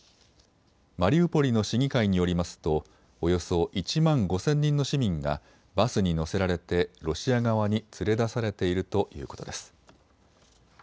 マリウポリの市議会によりますとおよそ１万５０００人の市民がバスに乗せられてロシア側に連れ出されているということです。